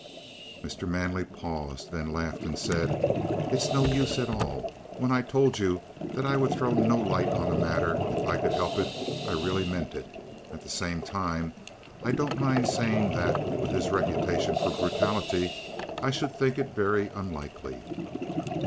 Mr. Manley paused, then laughed and said: "It's no use at all. When I told you that I would throw no light on the matter, if I could help it, I really meant it. At the same time, I don't mind saying that, with his reputation for brutality, I should think it very unlikely."